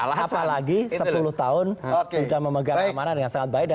apalagi sepuluh tahun sudah memegang keamanan yang sangat baik dan